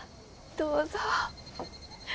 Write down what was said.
どうぞ。